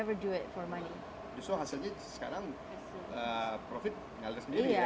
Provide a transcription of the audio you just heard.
jadi hasilnya sekarang keuntungan itu sendiri ya